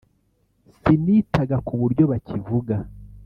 sinitaga k’uburyo bakivuga